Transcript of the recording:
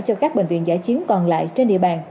cho các bệnh viện giả chiến còn lại trên địa bàn